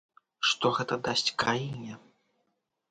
Што гэта дасць краіне?